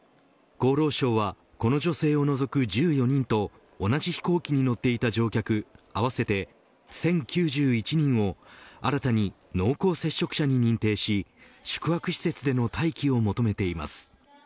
厚労省はこの女性を除く１４人と同じ飛行機に乗っていた乗客合わせて１０９１人を新たに濃厚接触者に認定し宿泊施設での待機を求めています。